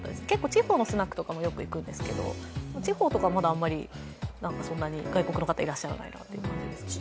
地方のスナックも結構行くんですけど、地方とか、まだあまりそんなに外国の方いらっしゃらないかなという感じですね。